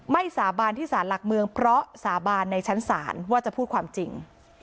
สาบานที่สารหลักเมืองเพราะสาบานในชั้นศาลว่าจะพูดความจริง